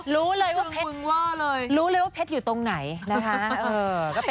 รู้เลยว่าเพชรอยู่ตรงไหนนะคะ